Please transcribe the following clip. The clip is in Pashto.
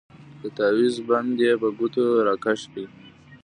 د تاويز بند يې په ګوتو راکښ کړ.